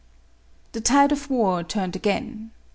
The tide of war turned again.